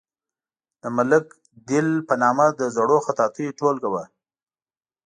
د ملک دل په نامه د زړو خطاطیو ټولګه وه.